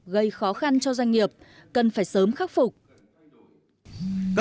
gây khó khăn cho doanh nghiệp cần phải sớm khắc phục